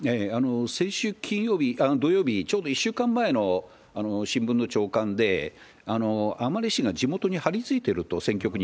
先週金曜日、土曜日、ちょうど１週間前の新聞の朝刊で、甘利氏が地元に張りついていると、選挙区に。